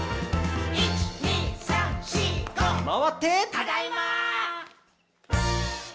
「ただいま！」